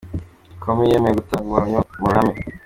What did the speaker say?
Comey yemeye gutanga ubuhamya mu ruhame.